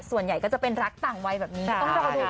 ส่วนใหญ่ก็จะเป็นรักต่างวัยแบบนี้